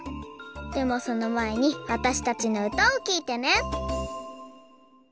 でもそのまえにわたしたちのうたをきいてね。